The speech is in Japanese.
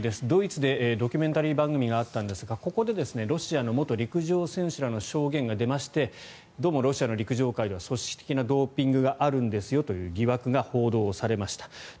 ドイツでドキュメンタリー番組があったんですがここでロシアの元陸上選手らの証言が出ましてどうもロシアの陸上界では組織的なドーピングがあるんですよという疑惑が報道されました。